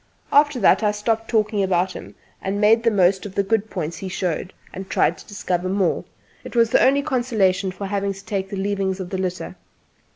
After that I stopped talking about him, and made the most of the good points he showed, and tried to discover more. It was the only consolation for having to take the leavings of the litter.